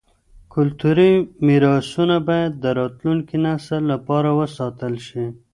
کلتوري میراثونه باید د راتلونکي نسل لپاره وساتل شي.